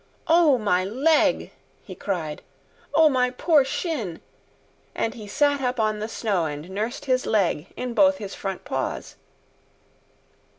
"O my leg!" he cried. "O my poor shin!" and he sat up on the snow and nursed his leg in both his front paws.